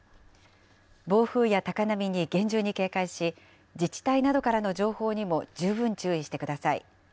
暴風や高波に厳重に警戒し、自治体などからの情報にも十分注意してください。